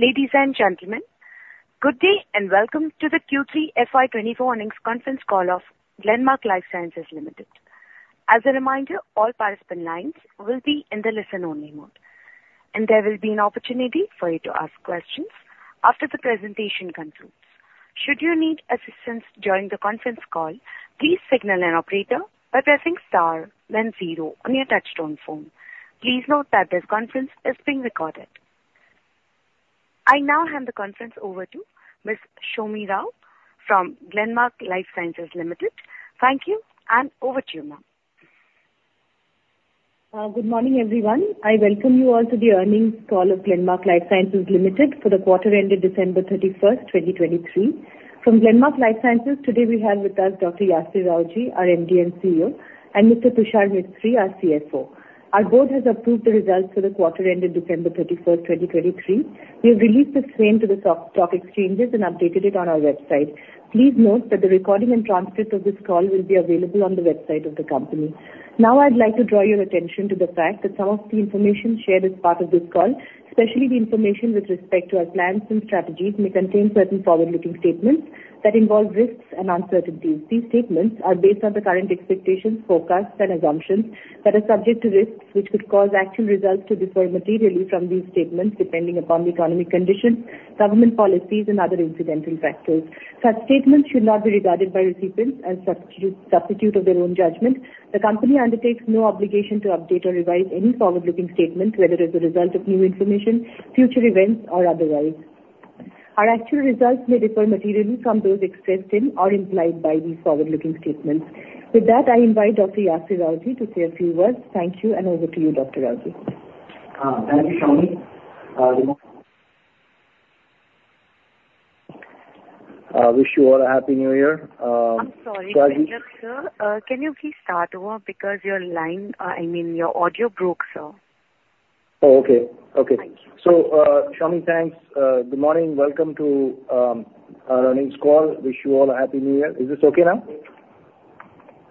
Ladies and gentlemen, good day, and welcome to the third quarter FY 2024 earnings conference call of Glenmark Life Sciences Limited. As a reminder, all participant lines will be in the listen-only mode, and there will be an opportunity for you to ask questions after the presentation concludes. Should you need assistance during the conference call, please signal an operator by pressing star then zero on your touchtone phone. Please note that this conference is being recorded. I now hand the conference over to Ms. Soumi Rao from Glenmark Life Sciences Limited. Thank you, and over to you, ma'am. Good morning, everyone. I welcome you all to the earnings call of Glenmark Life Sciences Limited for the quarter ending December 31, 2023. From Glenmark Life Sciences, today we have with us Dr. Yasir Rawjee, our MD and CEO, and Mr. Tushar Mistry, our CFO. Our board has approved the results for the quarter ending December 31, 2023. We've released the same to the stock exchanges and updated it on our website. Please note that the recording and transcript of this call will be available on the website of the company. Now, I'd like to draw your attention to the fact that some of the information shared as part of this call, especially the information with respect to our plans and strategies, may contain certain forward-looking statements that involve risks and uncertainties. These statements are based on the current expectations, forecasts, and assumptions that are subject to risks, which could cause actual results to differ materially from these statements, depending upon the economic conditions, government policies, and other incidental factors. Such statements should not be regarded by recipients as a substitute for their own judgment. The company undertakes no obligation to update or revise any forward-looking statements, whether as a result of new information, future events, or otherwise. Our actual results may differ materially from those expressed in or implied by these forward-looking statements. With that, I invite Dr. Yasir Rawjee to say a few words. Thank you, and over to you, Dr. Rawjee. Thank you, Soumi. I wish you all a Happy New Year. I'm sorry, sir. Can you please start over? Because your line, I mean, your audio broke, sir. Oh, okay. Okay. Thank you. So, Soumi, thanks. Good morning. Welcome to our earnings call. Wish you all a Happy New Year. Is this okay now?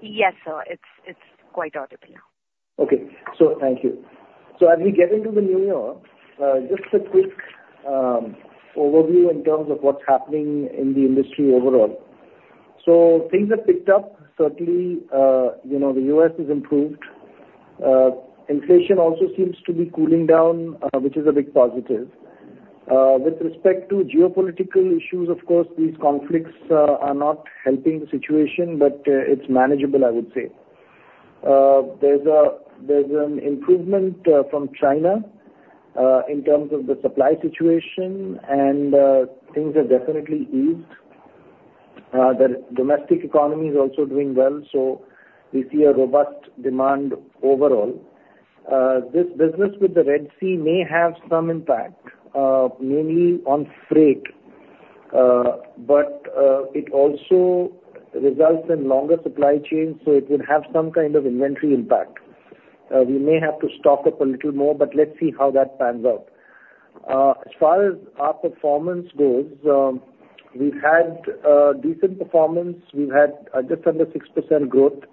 Yes, sir, it's quite audible now. Okay. So thank you. So as we get into the new year, just a quick overview in terms of what's happening in the industry overall. So things have picked up. Certainly, you know, the US has improved. Inflation also seems to be cooling down, which is a big positive. With respect to geopolitical issues, of course, these conflicts are not helping the situation, but it's manageable, I would say. There's an improvement from China in terms of the supply situation, and things have definitely eased. The domestic economy is also doing well, so we see a robust demand overall. This business with the Red Sea may have some impact, mainly on freight, but it also results in longer supply chains, so it would have some kind of inventory impact. We may have to stock up a little more, but let's see how that pans out. As far as our performance goes, we've had decent performance. We've had just under 6% growth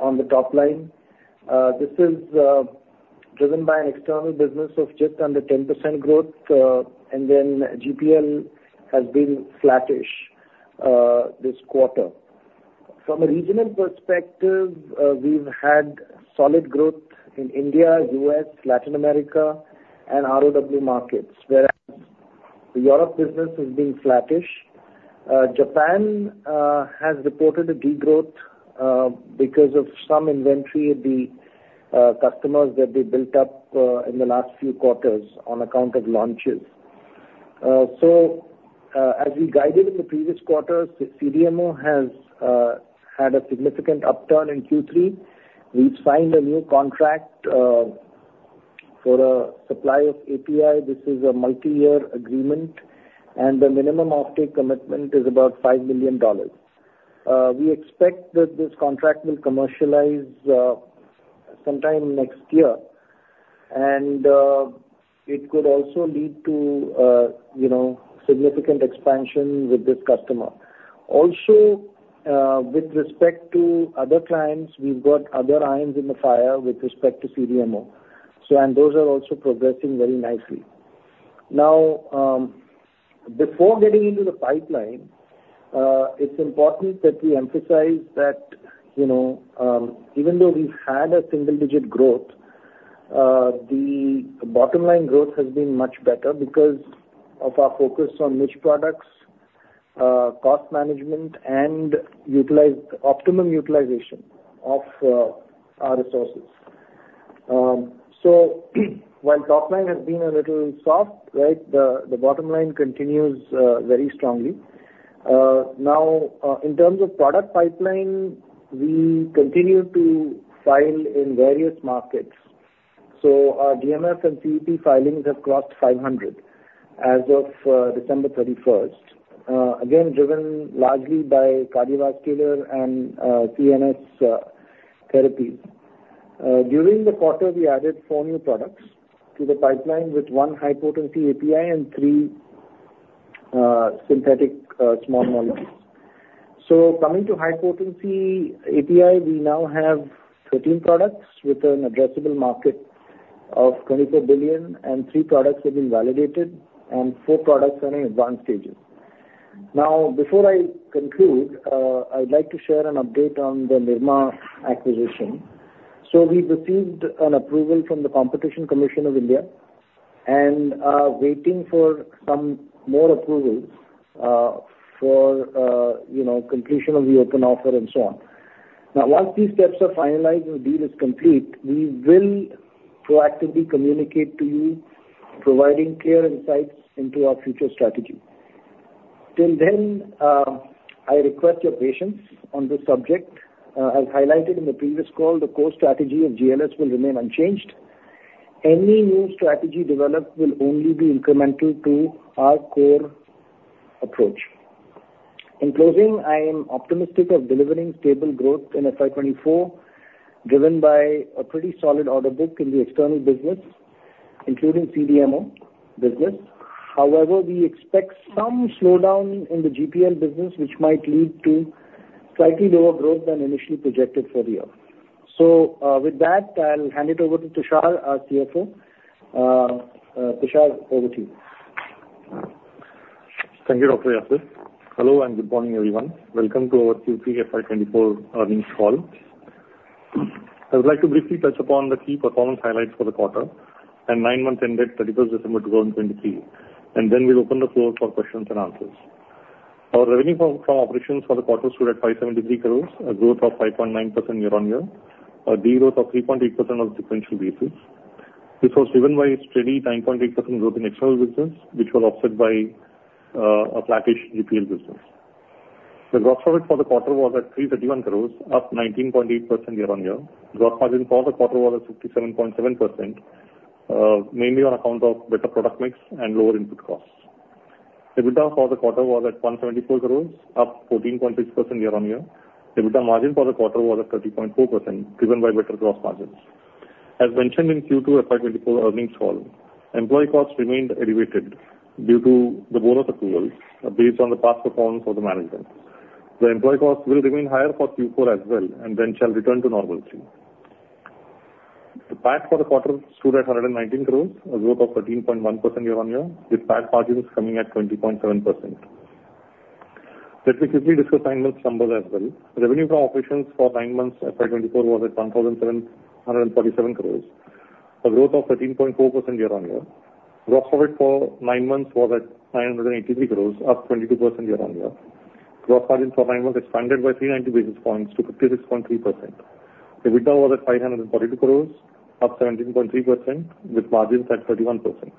on the top line. This is driven by an external business of just under 10% growth, and then GPL has been flattish this quarter. From a regional perspective, we've had solid growth in India, US, Latin America, and ROW markets, whereas the Europe business has been flattish. Japan has reported a degrowth because of some inventory at the customers that they built up in the last few quarters on account of launches. So, as we guided in the previous quarters, CDMO has had a significant upturn in third quarter. We've signed a new contract for a supply of API. This is a multi-year agreement, and the minimum offtake commitment is about $5 million. We expect that this contract will commercialize sometime next year, and it could also lead to, you know, significant expansion with this customer. Also, with respect to other clients, we've got other irons in the fire with respect to CDMO, so, and those are also progressing very nicely. Now, before getting into the pipeline, it's important that we emphasize that, you know, even though we've had a single-digit growth, the bottom line growth has been much better because of our focus on niche products, cost management, and optimum utilization of our resources. So while top line has been a little soft, right, the bottom line continues very strongly. Now, in terms of product pipeline, we continue to file in various markets. So our DMF and CEP filings have crossed 500 as of December 31st, again, driven largely by cardiovascular and CNS therapies. During the quarter, we added four new products to the pipeline, with one high-potency API and three synthetic small molecules. So coming to high potency API, we now have 13 products with an addressable market of $24 billion, and three products have been validated and four products are in advanced stages. Now, before I conclude, I'd like to share an update on the Nirma acquisition. So we received an approval from the Competition Commission of India, and are waiting for some more approvals, for you know, completion of the open offer and so on. Now, once these steps are finalized and the deal is complete, we will proactively communicate to you, providing clear insights into our future strategy. Till then, I request your patience on this subject. As highlighted in the previous call, the core strategy of GLS will remain unchanged. Any new strategy developed will only be incremental to our core approach. In closing, I am optimistic of delivering stable growth in FY 2024, driven by a pretty solid order book in the external business, including CDMO business. However, we expect some slowdown in the GPL business, which might lead to slightly lower growth than initially projected for the year. With that, I'll hand it over to Tushar, our CFO. Tushar, over to you. Thank you, Dr. Yasir. Hello, and good morning, everyone. Welcome to our third quarter FY 2024 earnings call. I would like to briefly touch upon the key performance highlights for the quarter and nine months ended 31 December 2023, and then we'll open the floor for questions and answers. Our revenue from operations for the quarter stood at 573 crores, a growth of 5.9% year-on-year, a de-growth of 3.8% on sequential basis. This was driven by a steady 9.8% growth in external business, which was offset by a flattish GPL business. The gross profit for the quarter was at 331 crores, up 19.8% year-on-year. Gross margin for the quarter was at 67.7%, mainly on account of better product mix and lower input costs. EBITDA for the quarter was at 174 crore, up 14.6% year-on-year. EBITDA margin for the quarter was at 30.4%, driven by better gross margins. As mentioned in second quarter FY 2024 earnings call, employee costs remained elevated due to the bonus approval based on the past performance of the management. The employee costs will remain higher for fourth quarter as well and then shall return to normalcy. The PAT for the quarter stood at 119 crore, a growth of 13.1% year-on-year, with PAT margins coming at 20.7%. Let me quickly discuss nine months numbers as well. Revenue from operations for nine months, FY 2024, was at 1,737 crore, a growth of 13.4% year-on-year. Gross profit for nine months was at 983 crore, up 22% year-on-year. Gross margin for nine months expanded by 390 basis points to 56.3%. EBITDA was at 542 crore, up 17.3%, with margins at 31%.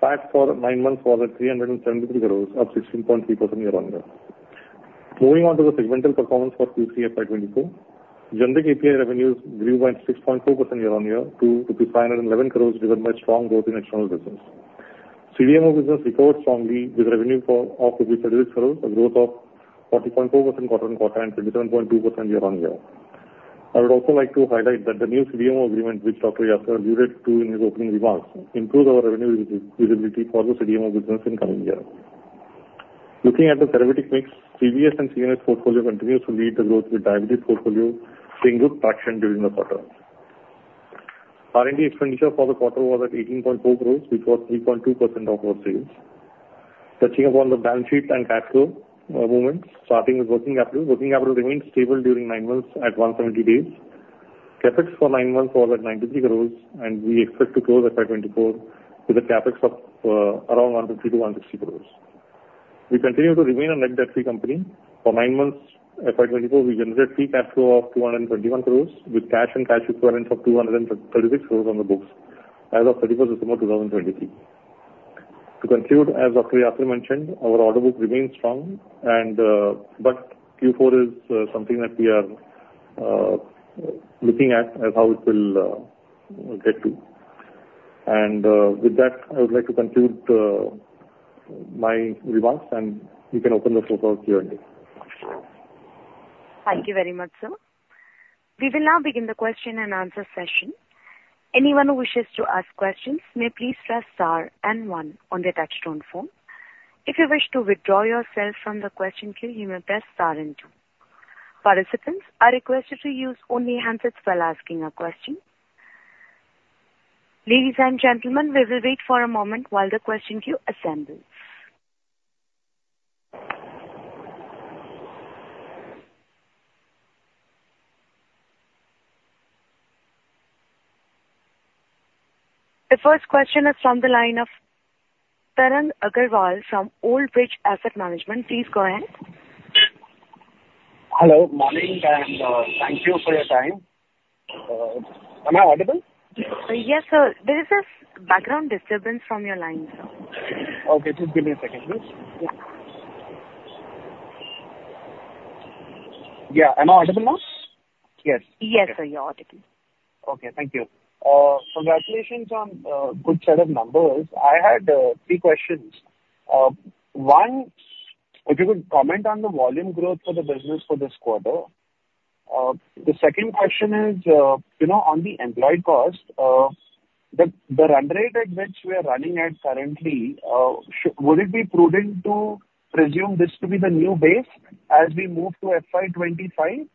PAT for nine months was at 373 crore, up 16.3% year-on-year. Moving on to the segmental performance for third quarter FY 2024, generic API revenues grew by 6.4% year-on-year to rupees 5,511 crore, driven by strong growth in external business. CDMO business recovered strongly, with revenue of rupees 53 crore, a growth of 40.4% quarter-on-quarter and 27.2% year-on-year. I would also like to highlight that the new CDMO agreement, which Dr. Yasir alluded to in his opening remarks, improves our revenue visibility for the CDMO business in coming year. Looking at the therapeutic mix, CVS and CNS portfolio continues to lead the growth, with diabetes portfolio seeing good traction during the quarter. R&D expenditure for the quarter was at 18.4 crores, which was 3.2% of our sales. Touching upon the balance sheet and cash flow movements, starting with working capital. Working capital remained stable during 9 months at 170 days. CapEx for 9 months was at 93 crores, and we expect to close FY 2024 with a CapEx of around 150 crores-160 crores. We continue to remain a net debt-free company. For 9 months, FY 2024, we generated free cash flow of 231 crores, with cash and cash equivalents of 236 crores on the books as of December 31, 2023. To conclude, as Dr. Yasir mentioned, our order book remains strong and... But fourth quarter is something that we are looking at, at how it will get to. And with that, I would like to conclude my remarks, and you can open the floor for Q&A. Thank you very much, sir. We will now begin the question-and-answer session. Anyone who wishes to ask questions may please press star and one on their touchtone phone. If you wish to withdraw yourself from the question queue, you may press star and two. Participants are requested to use only handsets while asking a question. Ladies and gentlemen, we will wait for a moment while the question queue assembles. The first question is from the line of Tarang Agrawal from Old Bridge Asset Management. Please go ahead. Hello, morning, and thank you for your time. Am I audible? Yes, sir. There is a background disturbance from your line, sir. Okay, just give me a second, please. Yeah. Am I audible now? Yes. Yes, sir, you're audible. Okay, thank you. Congratulations on good set of numbers. I had three questions. One, if you could comment on the volume growth for the business for this quarter? The second question is, you know, on the employee cost, the run rate at which we are running at currently, would it be prudent to presume this to be the new base as we move to FY 2025,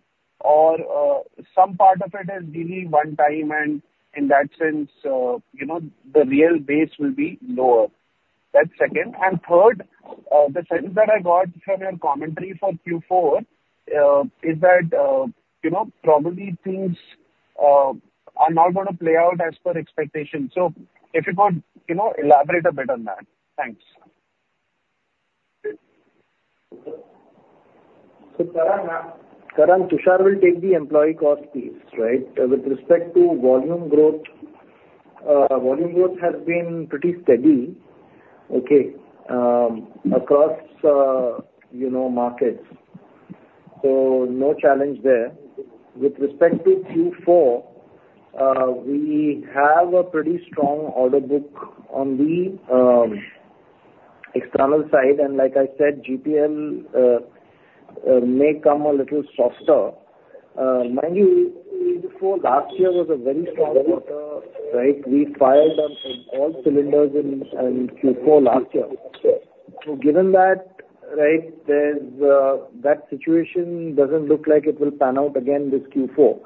or some part of it is really one time. And in that sense, you know, the real base will be lower? That's second. Third, the sense that I got from your commentary for fourth quarter is that, you know, probably things are not gonna play out as per expectations. So if you could, you know, elaborate a bit on that. Thanks. So, Tarang, Tushar will take the employee cost piece, right? With respect to volume growth, volume growth has been pretty steady, okay, across, you know, markets, so no challenge there. With respect to fourth quarter, we have a pretty strong order book on the external side, and like I said, GPL may come a little softer. Mind you, fourth quarter last year was a very strong quarter, right? We fired on all cylinders in fourth quarter last year. So given that, right, there's that situation doesn't look like it will pan out again this fourth quarter.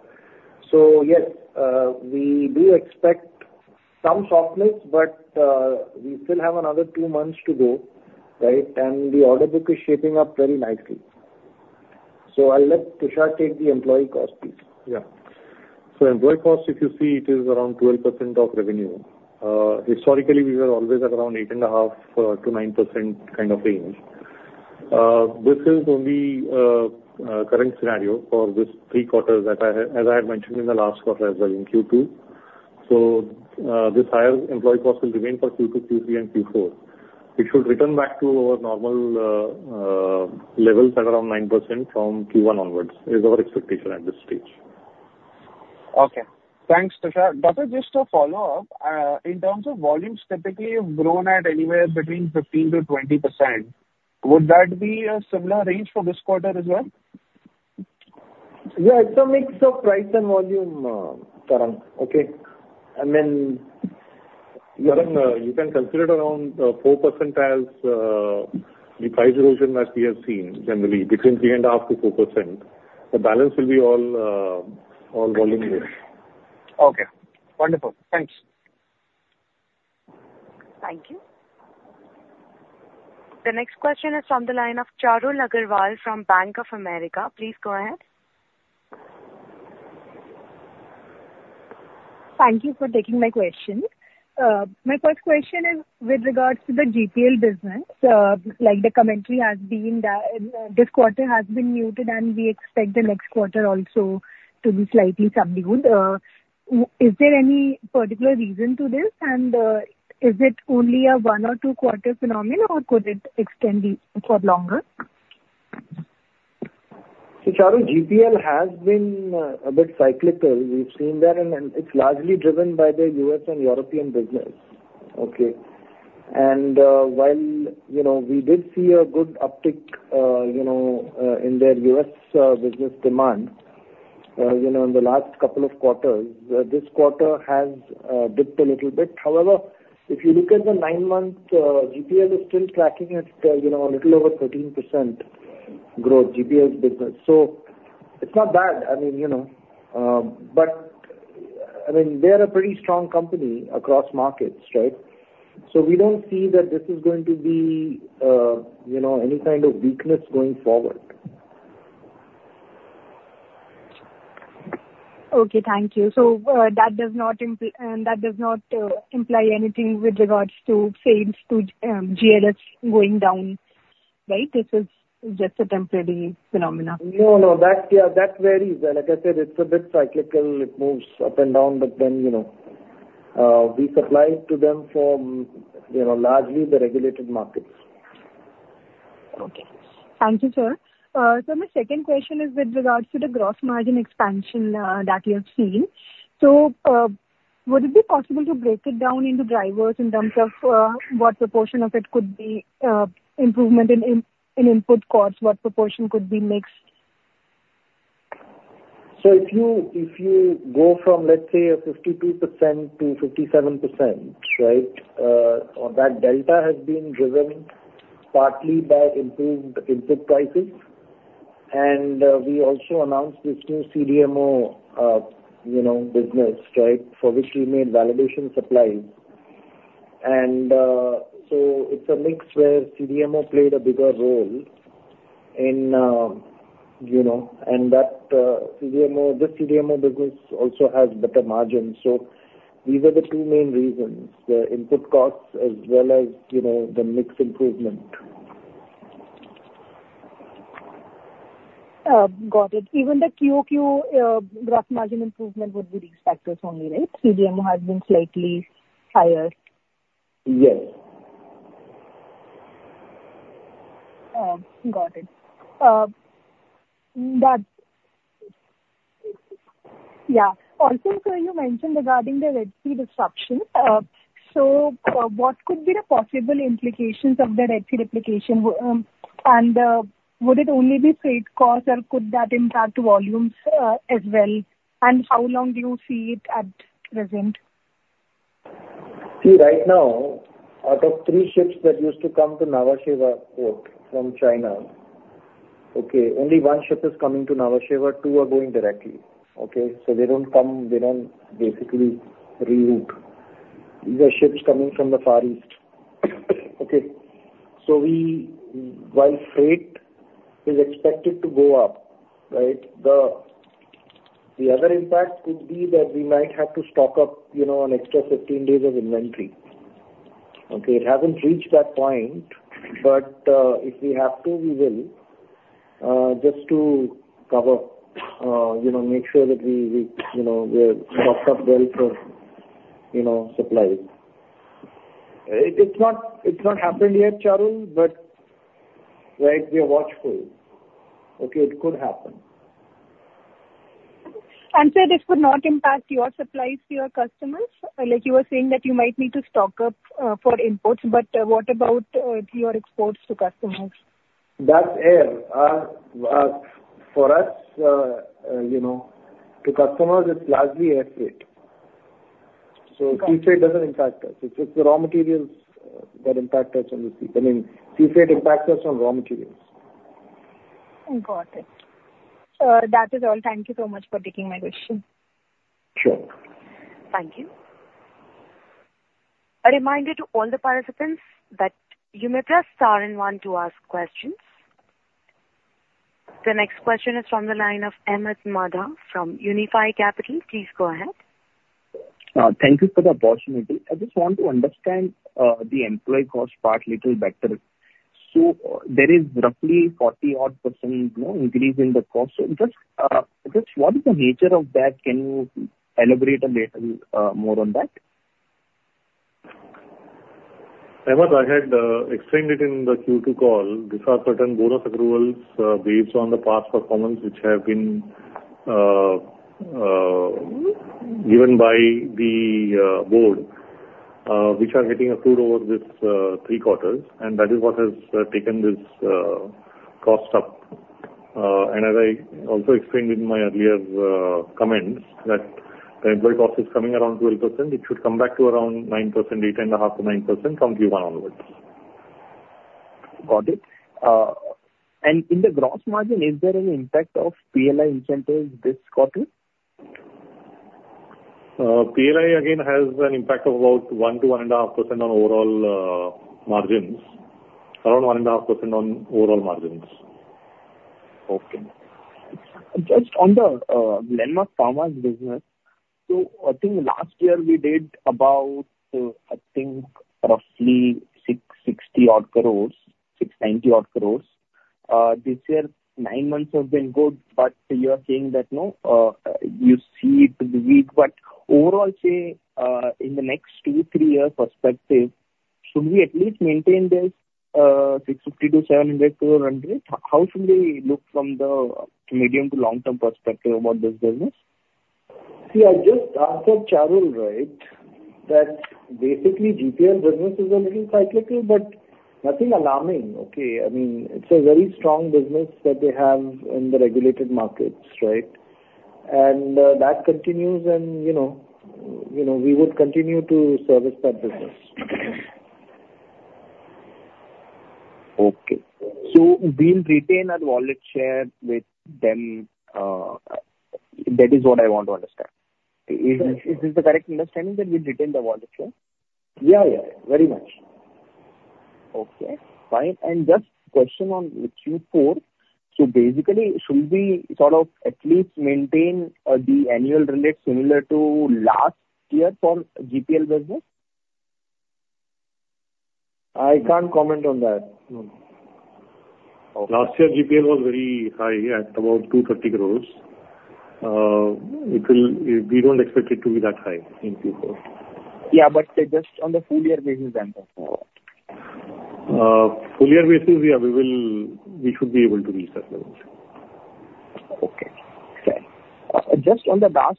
So yes, we do expect some softness, but we still have another two months to go, right? And the order book is shaping up very nicely. So I'll let Tushar take the employee cost, please. Yeah. So employee cost, if you see, it is around 12% of revenue. Historically, we were always around 8.5% to 9% kind of range. This is only a current scenario for this three quarters that I have, as I had mentioned in the last quarter as well, in second quarter. So, this higher employee cost will remain for second quarter, third quarter, and fourth quarter. It should return back to our normal levels at around 9% from first quarter onwards, is our expectation at this stage. Okay, thanks, Tushar. But just a follow-up, in terms of volumes typically have grown at anywhere between 15% to 20%. Would that be a similar range for this quarter as well? Yeah, it's a mix of price and volume, Tarang, okay? And then... Tarang, you can consider it around 4% as the price reduction that we have seen, generally between 3.5% to 4%. The balance will be all, all volume based. Okay, wonderful. Thanks. Thank you. The next question is from the line of Charul Agrawal from Bank of America. Please go ahead. Thank you for taking my question. My first question is with regards to the GPL business. Like the commentary has been that this quarter has been muted, and we expect the next quarter also to be slightly subdued. Is there any particular reason to this, and is it only a one or two quarter phenomenon, or could it extend for longer? So Charul, GPL has been a bit cyclical. We've seen that, and, and it's largely driven by the US and European business. Okay? And, while, you know, we did see a good uptick, you know, in their US business demand, you know, in the last couple of quarters, this quarter has dipped a little bit. However, if you look at the nine-month, GPL is still tracking at, you know, a little over 13% growth, GPL business. So it's not bad. I mean, you know, but, I mean, they are a pretty strong company across markets, right? So we don't see that this is going to be, you know, any kind of weakness going forward. Okay, thank you. So, that does not imply anything with regards to sales to GLS going down, right? This is just a temporary phenomena. No, no. That, yeah, that varies. Like I said, it's a bit cyclical. It moves up and down, but then, you know, we supply to them from, you know, largely the regulated markets. Okay. Thank you, sir. My second question is with regards to the gross margin expansion that you have seen. Would it be possible to break it down into drivers in terms of what proportion of it could be improvement in input costs? What proportion could be mixed? So if you, if you go from, let's say, a 52% to 57%, right, that delta has been driven partly by improved input prices. And, we also announced this new CDMO, you know, business, right, for which we made validation supplies. And, so it's a mix where CDMO played a bigger role in, you know, and that, CDMO, this CDMO business also has better margins. So these are the two main reasons, the input costs as well as, you know, the mix improvement. Got it. Even the QOQ, gross margin improvement would be these factors only, right? CDMO has been slightly higher. Yes. Got it. Yeah. Also, sir, you mentioned regarding the Red Sea disruption. So, what could be the possible implications of the Red Sea disruption? And, would it only be freight costs, or could that impact volumes as well? And how long do you see it at present? See, right now, out of three ships that used to come to Nhava Sheva port from China, okay, only one ship is coming to Nhava Sheva, two are going directly, okay? So they don't come, they don't basically reroute. These are ships coming from the Far East. Okay. So we, while freight is expected to go up, right, the other impact could be that we might have to stock up, you know, an extra 15 days of inventory. Okay, it hasn't reached that point, but, if we have to, we will, just to cover, you know, make sure that we, you know, we're stocked up well for, you know, supplies. It, it's not, it's not happened yet, Charul, but, right, we are watchful. Okay, it could happen. So this would not impact your supplies to your customers? Like you were saying that you might need to stock up for imports, but what about your exports to customers? That's air. For us, you know, to customers, it's largely air freight. Okay. Sea freight doesn't impact us. It's just the raw materials, that impact us on the sea. I mean, sea freight impacts us on raw materials. Got it. That is all. Thank you so much for taking my question. Sure. Thank you. A reminder to all the participants that you may press star and one to ask questions. The next question is from the line of Ahmed Madha from Unifi Capital. Please go ahead. Thank you for the opportunity. I just want to understand, the employee cost part little better. So there is roughly 40%-odd, you know, increase in the cost. So just, just what is the nature of that? Can you elaborate a little more on that? Ahmed, I had explained it in the second quarter call. These are certain bonus accruals based on the past performance, which have been given by the board, which are getting accrued over this three quarters, and that is what has taken this cost up. And as I also explained in my earlier comments, that the employee cost is coming around 12%. It should come back to around 9%, 8.5% to 9%, from first quarter onwards. Got it. And in the gross margin, is there any impact of PLI incentive this quarter? PLI again has an impact of about 1% to 1.5% on overall margins. Around 1.5% on overall margins. Okay. Just on the, Glenmark Pharma's business, so I think last year we did about, I think roughly 660-odd crores, 690-odd crores. This year, nine months have been good, but you are saying that, no, you see it weak, but overall, say, in the next two, three-year perspective, should we at least maintain this, 650 to 700 crore run rate? How should we look from the medium to long-term perspective about this business? See, I just answered Charul, right? That basically, GPL business is a little cyclical, but nothing alarming, okay? I mean, it's a very strong business that they have in the regulated markets, right? And, that continues and, you know, you know, we would continue to service that business. Okay. So we'll retain our wallet share with them, that is what I want to understand. Is this the correct understanding, that we retain the wallet share? Yeah, yeah, very much. Okay, fine. And just question on fourth quarter. So basically, should we sort of at least maintain the annual release similar to last year for GPL business? I can't comment on that, no. Okay. Last year, GPL was very high, at about 230 crores. We don't expect it to be that high in fourth quarter. Yeah, but just on the full year basis then as well. Full year basis, yeah, we will, we should be able to reach that level. Okay. Fair. Just on the last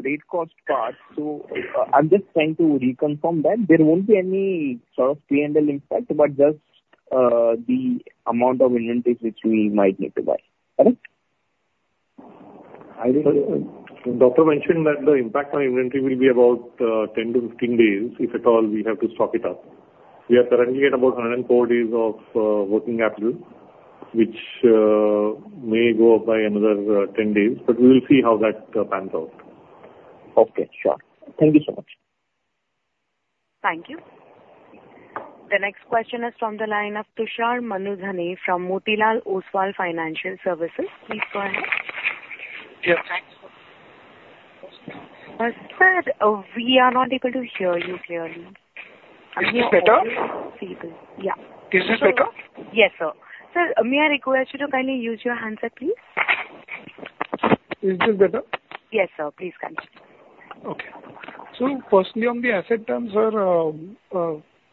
freight cost part, so I'm just trying to reconfirm that there won't be any sort of P&L impact, but just the amount of inventories which we might need to buy, correct? I think the doctor mentioned that the impact on inventory will be about 10 to 15 days, if at all we have to stock it up. We are currently at about 104 days of working capital, which may go up by another 10 days, but we will see how that pans out. Okay, sure. Thank you so much. Thank you. The next question is from the line of Tushar Manudhane from Motilal Oswal Financial Services. Please go ahead. Yes, hi. Sir, we are not able to hear you clearly. Is this better? Yeah. Is this better? Yes, sir. Sir, may I request you to kindly use your handset, please? Is this better? Yes, sir. Please continue. Okay. So firstly, on the asset terms, sir,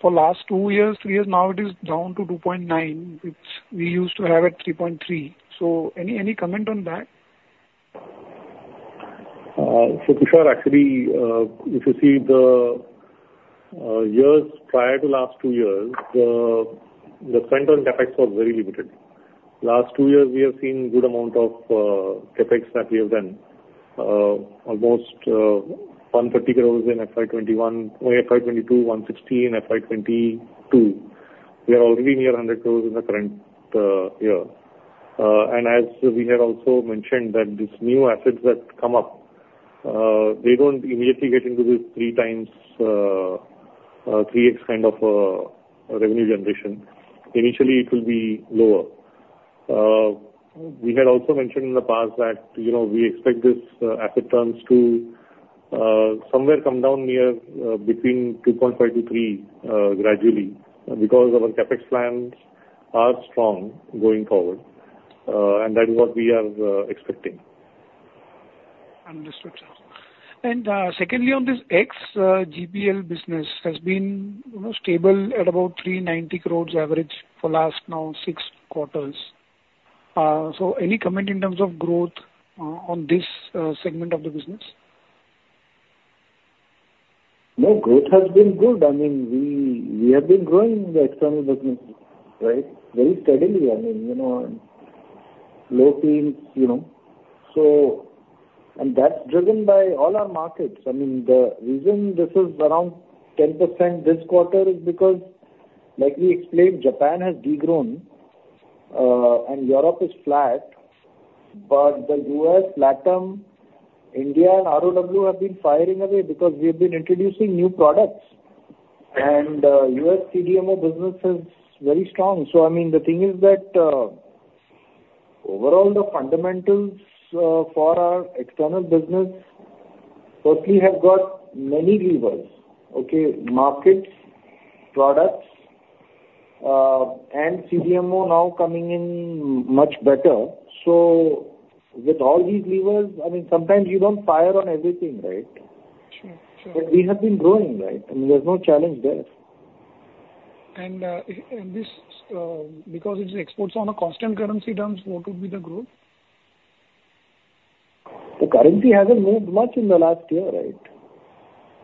for last two years, three years now, it is down to 2.9, which we used to have at 3.3. So any comment on that? So Tushar, actually, if you see the years prior to last two years, the spend on CapEx was very limited. Last two years, we have seen good amount of CapEx that we have done, almost 150 crores in FY 2021, in FY 2022, INR 160 crores in FY 2022. We are already near 100 crores in the current year. And as we have also mentioned that these new assets that come up, they don't immediately get into this 3 times, 3x kind of revenue generation. Initially, it will be lower. We had also mentioned in the past that, you know, we expect this asset terms to somewhere come down near between 2.5 to 3 gradually, because our CapEx plans are strong going forward, and that is what we are expecting. Understood, sir. Secondly, on this X, GPL business has been, you know, stable at about 390 crore average for last now six quarters. So any comment in terms of growth, on this segment of the business? No, growth has been good. I mean, we, we have been growing the external business, right? Very steadily, I mean, you know, low teens, you know. So, and that's driven by all our markets. I mean, the reason this is around 10% this quarter is because, like we explained, Japan has de-grown, and Europe is flat, but the US, Latam, India and ROW have been firing away because we have been introducing new products. And, US CDMO business is very strong. So I mean, the thing is that, overall, the fundamentals, for our external business, firstly, have got many levers, okay? Markets, products, and CDMO now coming in much better. So with all these levers, I mean, sometimes you don't fire on everything, right? Sure, sure. But we have been growing, right? I mean, there's no challenge there. And this, because it's exports on a constant currency terms, what would be the growth? The currency hasn't moved much in the last year, right?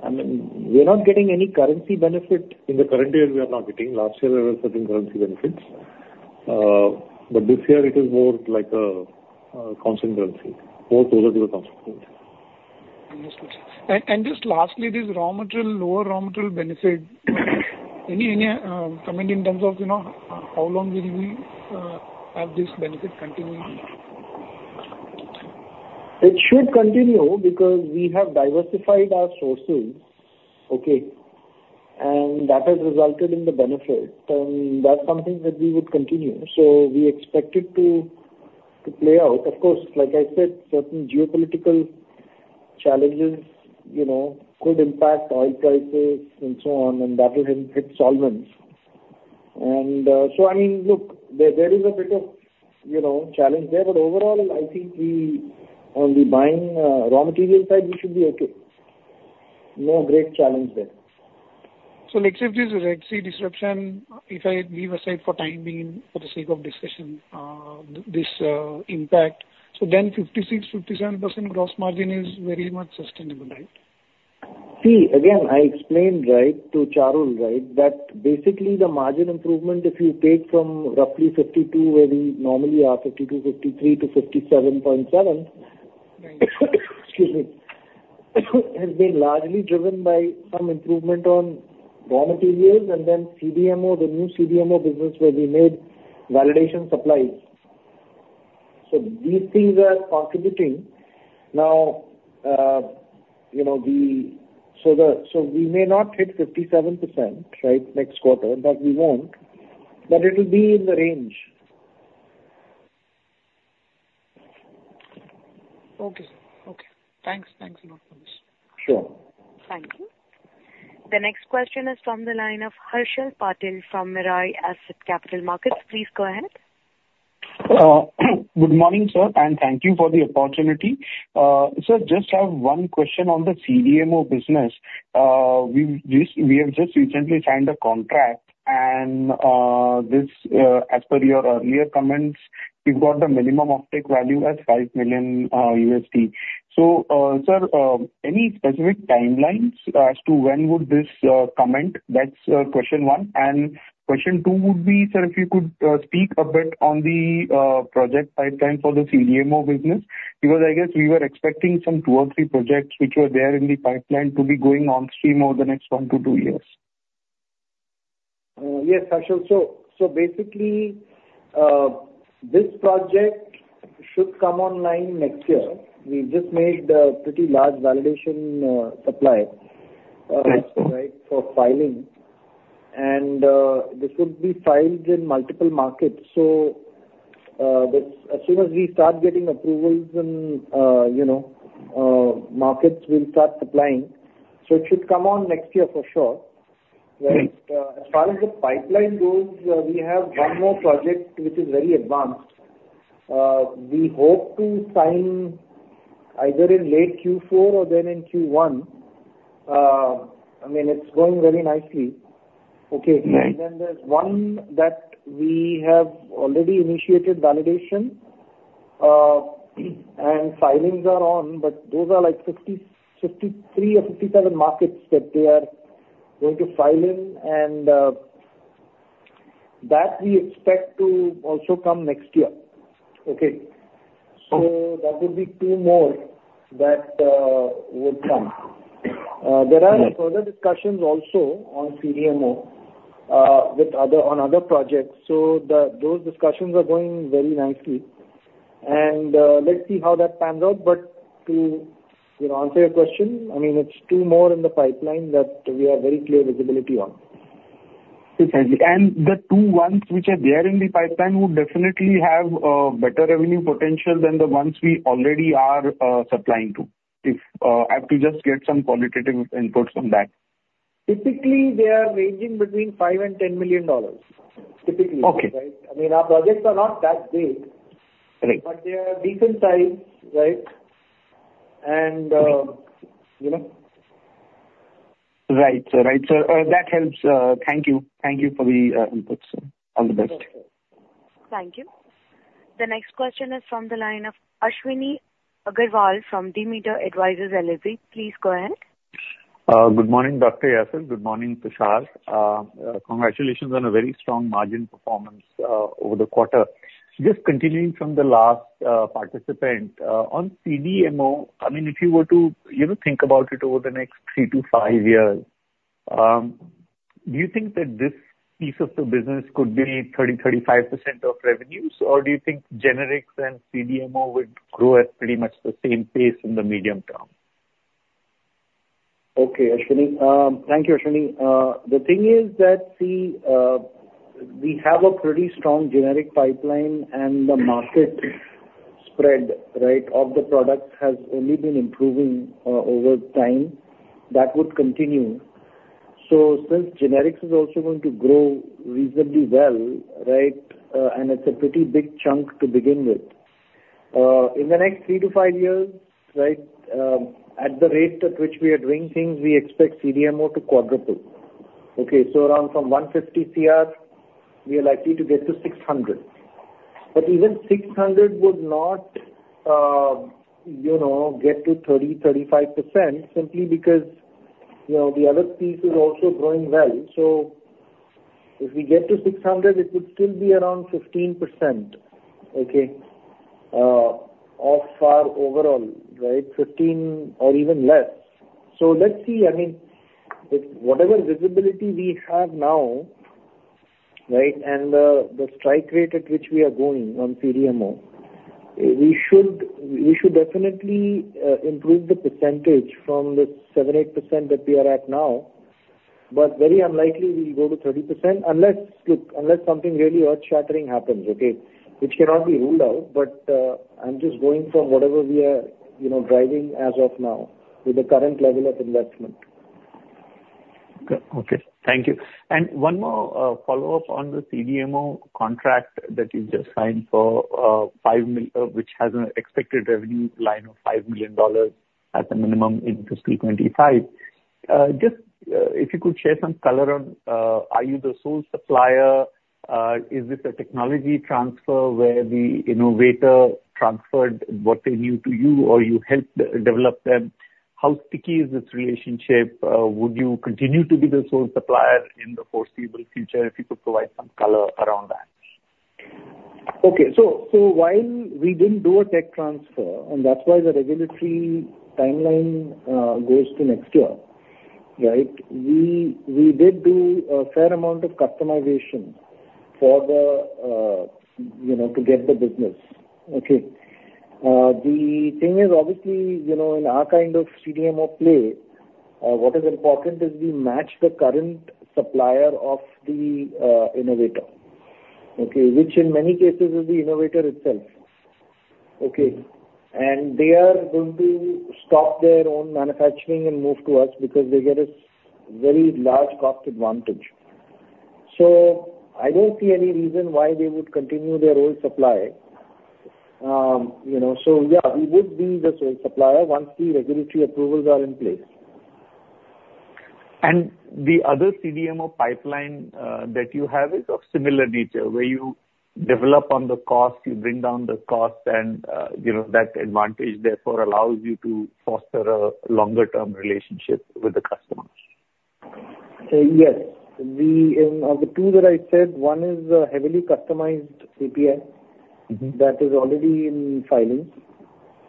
I mean, we are not getting any currency benefit in the current year we are now getting. Last year, there were certain currency benefits, but this year it is more like a constant currency. Both those are the constant currency. Understood, sir. And just lastly, this raw material, lower raw material benefit, any comment in terms of, you know, how long will we have this benefit continuing? It should continue because we have diversified our sources, okay? And that has resulted in the benefit, and that's something that we would continue, so we expect it to play out. Of course, like I said, certain geopolitical challenges, you know, could impact oil prices and so on, and that will hit solvents. And so I mean, look, there is a bit of, you know, challenge there, but overall, I think we on the buying raw material side, we should be okay. No great challenge there. So let's say if this Red Sea disruption, if I leave aside for the time being, for the sake of discussion, this impact, so then 56% to 57% gross margin is very much sustainable, right? See, again, I explained, right, to Charul, right, that basically the margin improvement, if you take from roughly 52, where we normally are, 52 to 53 to 57.7, excuse me, has been largely driven by some improvement on raw materials and then CDMO, the new CDMO business where we made validation supplies. So these things are contributing. Now, you know, so the, so we may not hit 57%, right, next quarter, but we won't. But it will be in the range. Okay. Okay. Thanks. Thanks a lot for this. Sure. Thank you. The next question is from the line of Harshal Patil from Mirae Asset Capital Markets. Please go ahead. Good morning, sir, and thank you for the opportunity. Sir, just have one question on the CDMO business. We've just recently signed a contract, and, as per your earlier comments, we've got the minimum offtake value as $5 million. So, sir, any specific timelines as to when would this come in? That's question one. And question two would be, sir, if you could speak a bit on the project pipeline for the CDMO business. Because I guess we were expecting some 2 or 3 projects which were there in the pipeline to be going on stream over the next one to two years. Yes, Harshal. So, basically, this project should come online next year. We just made a pretty large validation supply, right, for filing, and this would be filed in multiple markets. So, this, as soon as we start getting approvals in, you know, markets, we'll start supplying. So it should come on next year for sure. Right. As far as the pipeline goes, we have one more project which is very advanced. We hope to sign either in late fourth quarter or then in first quarter. I mean, it's going very nicely. Okay. Then there's one that we have already initiated validation, and filings are on, but those are like 50, 53 or 57 markets that they are going to file in, and that we expect to also come next year. Okay? So that would be two more that would come. There are further discussions also on CDMO with other projects. So those discussions are going very nicely, and let's see how that pans out. But to, you know, answer your question, I mean, it's two more in the pipeline that we have very clear visibility on. The two ones which are there in the pipeline would definitely have better revenue potential than the ones we already are supplying to, if I have to just get some qualitative inputs on that. Typically, they are ranging between $5 million and $10 million. Typically. Okay. Right? I mean, our projects are not that big. Right. But they are decent size, right? And, you know. Right. So, right. So, that helps. Thank you. Thank you for the input, sir. All the best. Thank you. The next question is from the line of Ashwini Agarwal from Demeter Advisors LLP. Please go ahead. Good morning, Dr. Yasir. Good morning, Tushar. Congratulations on a very strong margin performance over the quarter. Just continuing from the last participant on CDMO, I mean, if you were to, you know, think about it over the next three to five years, do you think that this piece of the business could be 30% to 35% of revenues? Or do you think generics and CDMO would grow at pretty much the same pace in the medium term? Okay, Ashwini. Thank you, Ashwini. The thing is that, see, we have a pretty strong generic pipeline, and the market spread, right, of the products has only been improving over time. That would continue. So since generics is also going to grow reasonably well, right, and it's a pretty big chunk to begin with, in the next three to five years, right, at the rate at which we are doing things, we expect CDMO to quadruple. Okay, so around from 150 crore, we are likely to get to 600 crore. But even 600 crore would not, you know, get to 30% to 35%, simply because, you know, the other piece is also growing well. So if we get to 600 crore, it would still be around 15%, okay, of our overall, right? 15% or even less. So let's see, I mean, it—whatever visibility we have now, right, and, the strike rate at which we are going on CDMO, we should, we should definitely, improve the percentage from the 7% to 8% that we are at now, but very unlikely we will go to 30%, unless, look, unless something really earth-shattering happens, okay? Which cannot be ruled out, but, I'm just going from whatever we are, you know, driving as of now with the current level of investment. Okay. Thank you. And one more follow-up on the CDMO contract that you've just signed for $5 million, which has an expected revenue line of $5 million at a minimum in fiscal 2025. Just if you could share some color on, are you the sole supplier? Is this a technology transfer where the innovator transferred what they knew to you, or you helped develop them? How sticky is this relationship? Would you continue to be the sole supplier in the foreseeable future, if you could provide some color around that? Okay. So while we didn't do a tech transfer, and that's why the regulatory timeline goes to next year, right? We did do a fair amount of customization for the, you know, to get the business. Okay. The thing is obviously, you know, in our kind of CDMO play, what is important is we match the current supplier of the innovator, okay? Which in many cases is the innovator itself. Okay, and they are going to stop their own manufacturing and move to us because they get a very large cost advantage. So I don't see any reason why they would continue their old supply. You know, so yeah, we would be the sole supplier once the regulatory approvals are in place. And the other CDMO pipeline that you have is of similar nature, where you develop on the cost, you bring down the cost, and, you know, that advantage therefore allows you to foster a longer-term relationship with the customers. Yes. Of the two that I said, one is a heavily customized API... Mm-hmm. That is already in filings,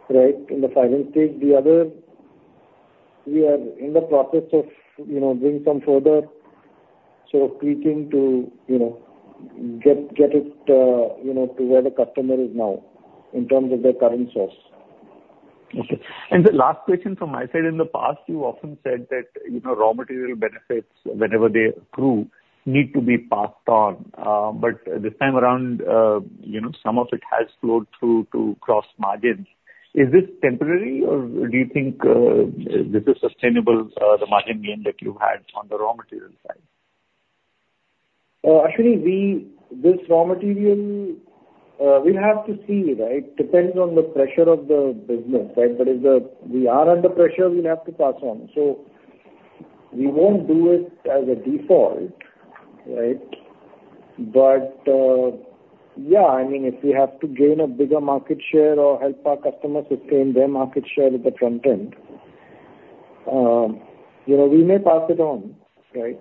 right, in the filing stage. The other, we are in the process of, you know, doing some further sort of tweaking to, you know, get, get it, you know, to where the customer is now in terms of their current source. Okay. And the last question from my side: in the past, you often said that, you know, raw material benefits, whenever they accrue, need to be passed on, but this time around, you know, some of it has flowed through to gross margins. Is this temporary, or do you think this is sustainable, the margin gain that you had on the raw material side? Actually, we, this raw material, we have to see, right? Depends on the pressure of the business, right? But if we are under pressure, we'll have to pass on. So we won't do it as a default, right? But, yeah, I mean, if we have to gain a bigger market share or help our customers sustain their market share at the front end, you know, we may pass it on, right?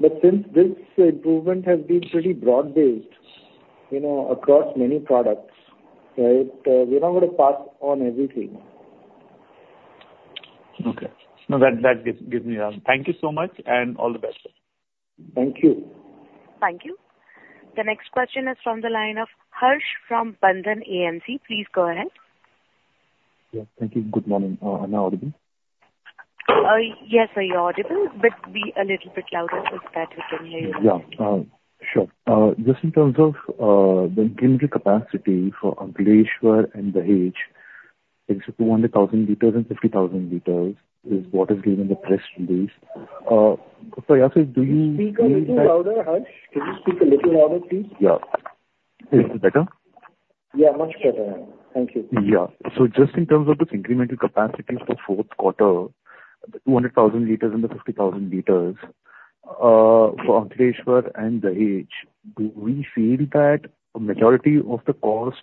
But since this improvement has been pretty broad-based, you know, across many products, right, we're not going to pass on everything. Okay. No, that gives me an answer. Thank you so much, and all the best. Thank you. Thank you. The next question is from the line of Harsh from Bandhan AMC. Please go ahead. Yeah, thank you. Good morning. Am I audible? Yes, sir, you're audible, but be a little bit louder so that we can hear you. Yeah. Sure. Just in terms of the incremental capacity for Ankleshwar and Dahej, it's 200,000 liters and 50,000 liters, is what is given in the press release. So, Yasir, do you... Speak a little louder, Harsh. Can you speak a little louder, please? Yeah. Is it better? Yeah, much better now. Thank you. Yeah. So just in terms of this incremental capacity for fourth quarter, the 200,000 liters and the 50,000 liters for Ankleshwar and Dahej, do we feel that a majority of the cost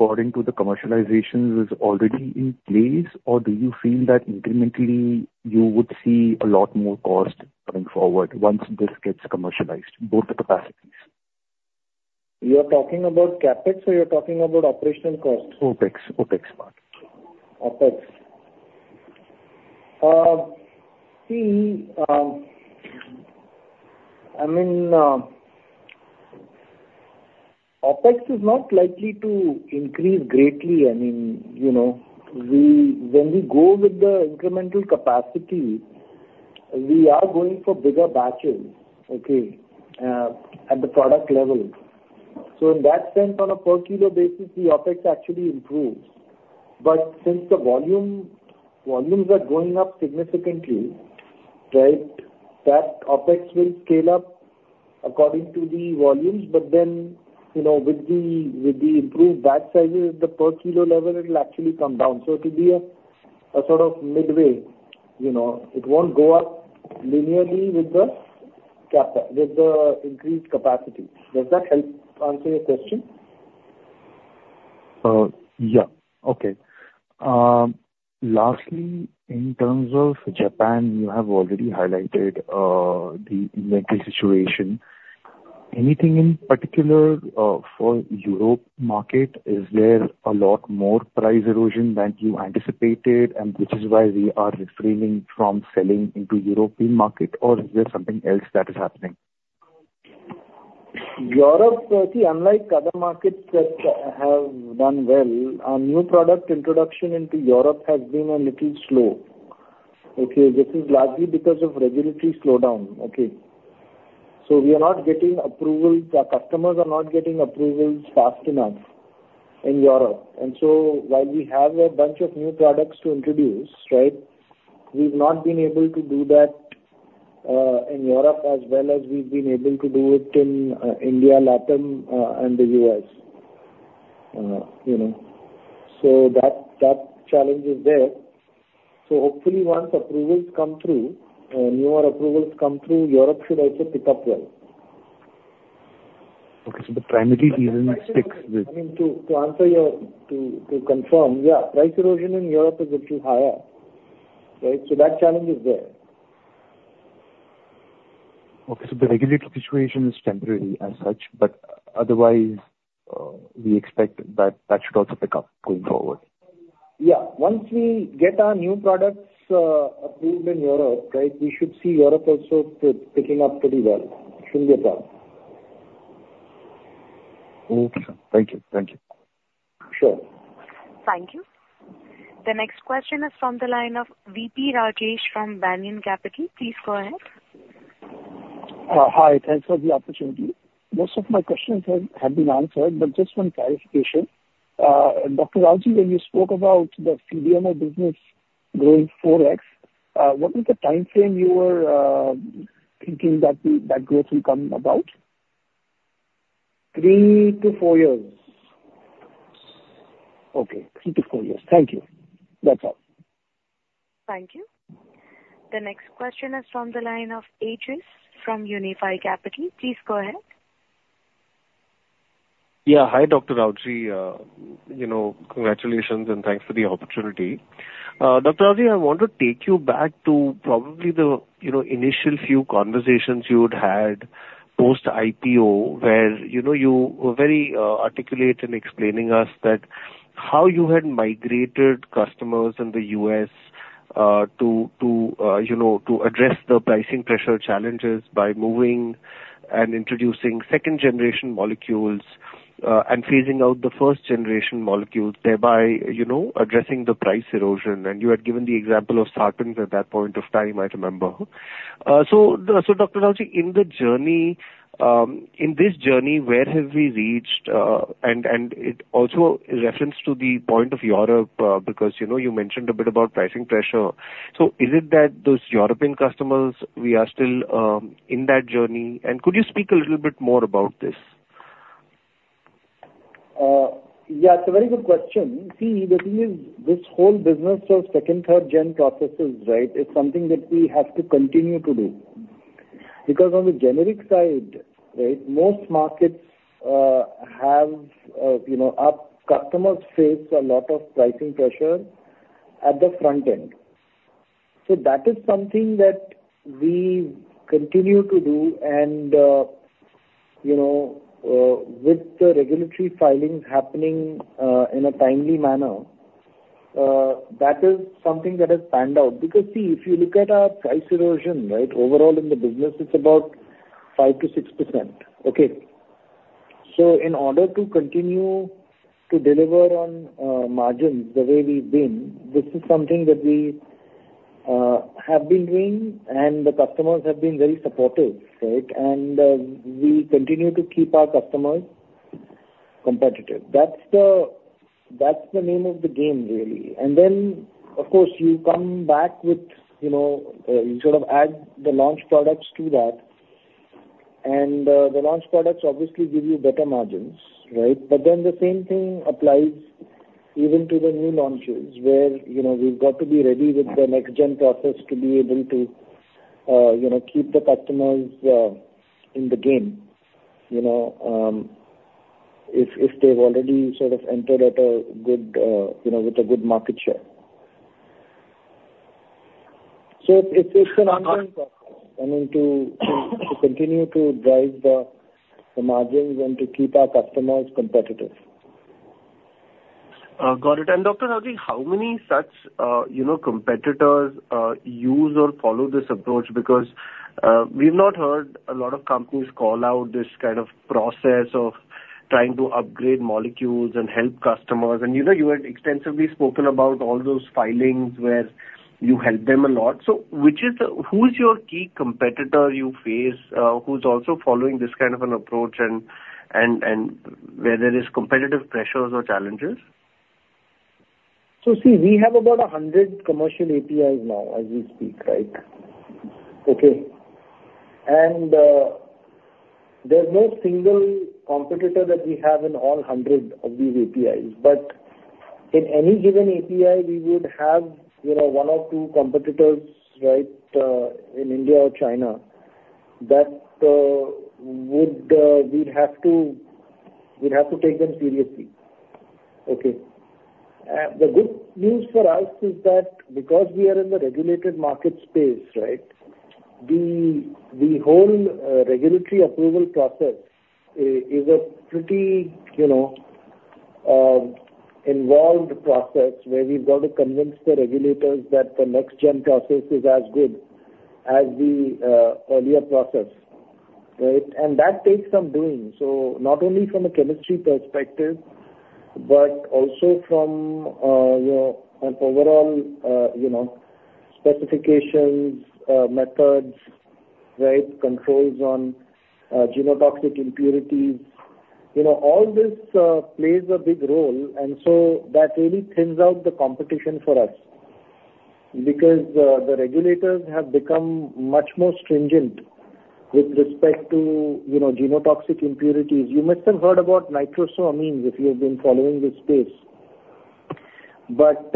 according to the commercialization is already in place? Or do you feel that incrementally you would see a lot more cost going forward once this gets commercialized, both the capacities? You are talking about CapEx or you're talking about operational costs? OpEx. OpEx part. OpEx. I mean, OpEx is not likely to increase greatly. I mean, you know, when we go with the incremental capacity, we are going for bigger batches, okay, at the product level. So in that sense, on a per kilo basis, the OpEx actually improves. But since the volume, volumes are going up significantly, right, that OpEx will scale up according to the volumes, but then, you know, with the improved batch sizes, the per kilo level, it'll actually come down. So it'll be a sort of midway, you know. It won't go up linearly with the CapEx with the increased capacity. Does that help answer your question? Yeah. Okay. Lastly, in terms of Japan, you have already highlighted the inventory situation. Anything in particular for Europe market, is there a lot more price erosion than you anticipated, and which is why we are refraining from selling into European market, or is there something else that is happening? Europe, see, unlike other markets that have done well, our new product introduction into Europe has been a little slow, okay? This is largely because of regulatory slowdown, okay. So we are not getting approvals. Our customers are not getting approvals fast enough in Europe. And so while we have a bunch of new products to introduce, right, we've not been able to do that in Europe as well as we've been able to do it in India, Latin, and the US, you know. So that challenge is there. So hopefully once approvals come through, newer approvals come through, Europe should also pick up well. Okay, so the primary reason is- I mean, to answer your... To confirm, yeah, price erosion in Europe is a little higher, right? So that challenge is there. Okay, so the regulatory situation is temporary as such, but otherwise, we expect that that should also pick up going forward. Yeah. Once we get our new products approved in Europe, right, we should see Europe also picking up pretty well. It shouldn't be a problem. Okay. Thank you. Thank you. Sure. Thank you. The next question is from the line of V.P. Rajesh from Banyan Capital. Please go ahead. Hi, thanks for the opportunity. Most of my questions have been answered, but just one clarification. Dr. Rawjee, when you spoke about the CDMO business growing 4x, what was the timeframe you were thinking that the growth will come about? three to four years. Okay, three to four years. Thank you. That's all. Thank you. The next question is from the line of Ajit from Unifi Capital. Please go ahead. Yeah. Hi, Dr. Rawjee. You know, congratulations, and thanks for the opportunity. Dr. Rawjee, I want to take you back to probably the, you know, initial few conversations you'd had post-IPO, where, you know, you were very, articulate in explaining us that how you had migrated customers in the US, to, to, you know, to address the pricing pressure challenges by moving and introducing second generation molecules, and phasing out the first generation molecules, thereby, you know, addressing the price erosion. You had given the example of statins at that point of time, I remember. So Dr. Rawjee, in this journey, where have we reached? And it also in reference to the point of Europe, because, you know, you mentioned a bit about pricing pressure. So is it that those European customers, we are still in that journey? And could you speak a little bit more about this? Yeah, it's a very good question. See, the thing is, this whole business of second, third gen processes, right, is something that we have to continue to do. Because on the generic side, right, most markets have, you know, our customers face a lot of pricing pressure at the front end. So that is something that we continue to do, and, you know, with the regulatory filings happening in a timely manner, that is something that has panned out. Because, see, if you look at our price erosion, right, overall in the business, it's about 5% to 6%. Okay. So in order to continue to deliver on margins the way we've been, this is something that we have been doing, and the customers have been very supportive, right? And we continue to keep our customers competitive. That's the, that's the name of the game, really. And then, of course, you come back with, you know, you sort of add the launch products to that, and, the launch products obviously give you better margins, right? But then the same thing applies even to the new launches, where, you know, we've got to be ready with the next gen process to be able to, you know, keep the customers, in the game, you know, if, if they've already sort of entered at a good, you know, with a good market share. So it's, it's an ongoing process, I mean, to, to continue to drive the, the margins and to keep our customers competitive. Got it. And Dr. Hari, how many such, you know, competitors use or follow this approach? Because we've not heard a lot of companies call out this kind of process of trying to upgrade molecules and help customers. And you know, you had extensively spoken about all those filings where you helped them a lot. So which is the... Who is your key competitor you face, who's also following this kind of an approach and, and, and where there is competitive pressures or challenges? So see, we have about 100 commercial APIs now as we speak, right? Okay. And, there's no single competitor that we have in all 100 of these APIs, but in any given API, we would have, you know, one or two competitors, right, in India or China, that would we'd have to, we'd have to take them seriously. Okay. The good news for us is that because we are in the regulated market space, right, the whole regulatory approval process is a pretty, you know, involved process, where we've got to convince the regulators that the next gen process is as good as the earlier process, right? And that takes some doing. So not only from a chemistry perspective, but also from, you know, an overall, you know, specifications, methods, right, controls on genotoxic impurities. You know, all this plays a big role, and so that really thins out the competition for us. Because the regulators have become much more stringent with respect to, you know, genotoxic impurities. You must have heard about nitrosamines if you have been following this space. But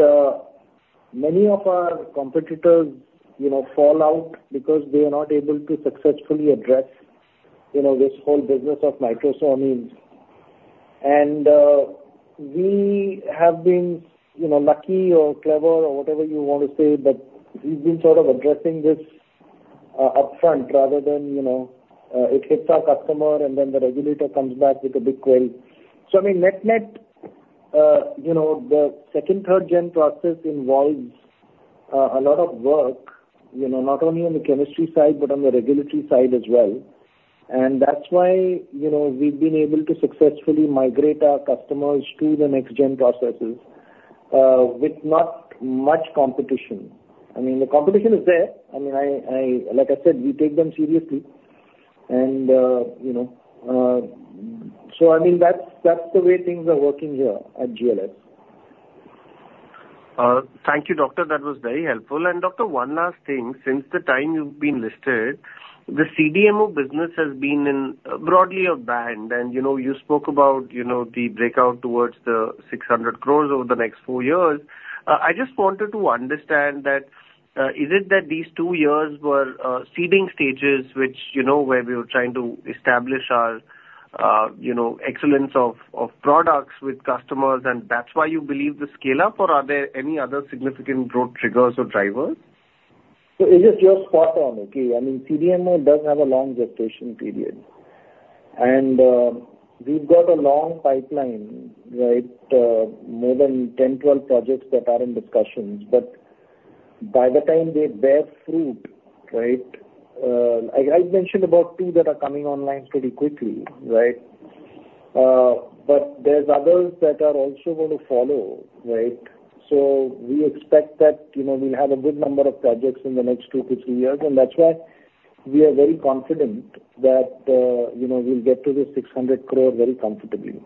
many of our competitors, you know, fall out because they are not able to successfully address, you know, this whole business of nitrosamines. And we have been, you know, lucky or clever or whatever you want to say, but we've been sort of addressing this upfront rather than, you know, it hits our customer and then the regulator comes back with a big query. So I mean, net-net, you know, the second, third gen process involves a lot of work, you know, not only on the chemistry side, but on the regulatory side as well. That's why, you know, we've been able to successfully migrate our customers to the next gen processes with not much competition. I mean, the competition is there. Like I said, we take them seriously and, you know, so I mean, that's the way things are working here at GLS. Thank you, Doctor. That was very helpful. Doctor, one last thing. Since the time you've been listed, the CDMO business has been in broadly a band, and you know, you spoke about, you know, the breakout towards the 600 crore over the next 4 years. I just wanted to understand that, is it that these 2 years were seeding stages, which, you know, where we were trying to establish our, you know, excellence of, of products with customers, and that's why you believe the scale-up, or are there any other significant growth triggers or drivers? So Ajit, you're spot on, okay? I mean, CDMO does have a long gestation period. And we've got a long pipeline, right? More than 10 to 12 projects that are in discussions. But by the time they bear fruit, right, I've mentioned about 2 that are coming online pretty quickly, right? But there's others that are also going to follow, right? So we expect that, you know, we'll have a good number of projects in the next two to three years, and that's why we are very confident that, you know, we'll get to 600 crore very comfortably.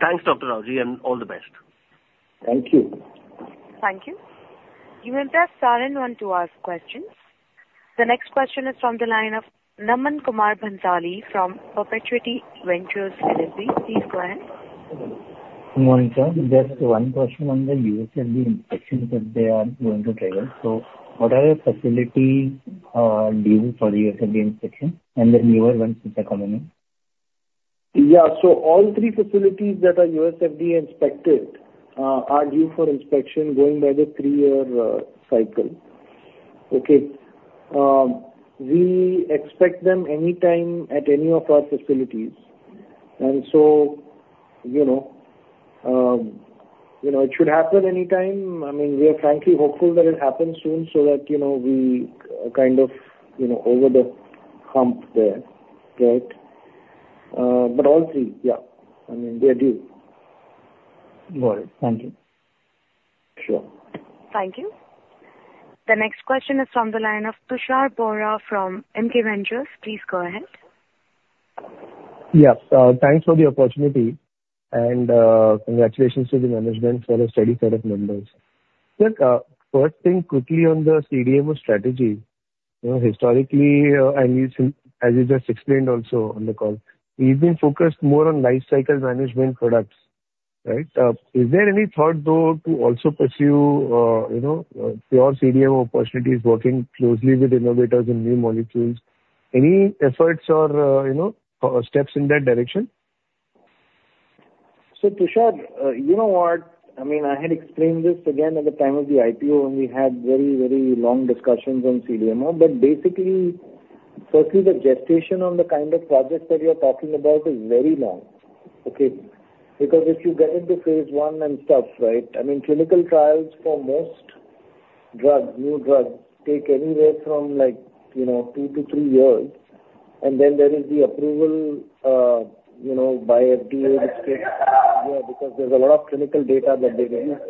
Thanks, Dr. Rawjee, and all the best. Thank you. Thank you. You may press star one to ask questions. The next question is from the line of Naman Kumar Bhansali from Perpetuity Ventures LLP. Please go ahead. Good morning, sir. Just one question on the US FDA inspections that they are going to trigger. So what are your facility due for the US FDA inspection, and then newer ones which are coming in? Yeah. So all three facilities that are US FDA inspected are due for inspection going by the three-year cycle. Okay. We expect them anytime at any of our facilities, and so, you know, you know, it should happen anytime. I mean, we are frankly hopeful that it happens soon so that, you know, we kind of, you know, over the hump there, right? But all three, yeah. I mean, they are due. Got it. Thank you. Sure. Thank you. The next question is from the line of Tushar Bohra from MK Ventures. Please go ahead. Yeah. Thanks for the opportunity and, congratulations to the management for a steady set of numbers. Just, first thing, quickly on the CDMO strategy. You know, historically, and you said, as you just explained also on the call, you've been focused more on life cycle management products, right? Is there any thought, though, to also pursue, you know, pure CDMO opportunities, working closely with innovators in new molecules? Any efforts or, you know, steps in that direction? So, Tushar, you know what? I mean, I had explained this again at the time of the IPO, and we had very, very long discussions on CDMO. But basically, firstly, the gestation on the kind of projects that you're talking about is very long, okay? Because if you get into phase one and stuff, right, I mean, clinical trials for most drugs, new drugs, take anywhere from, like, you know, two to three years. And then there is the approval, you know, by FDA, which takes yeah, because there's a lot of clinical data that they need,